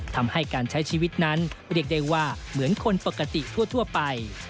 ทำให้การใช้ชีวิตนั้นเรียกได้ว่าเหมือนคนปกติทั่วไป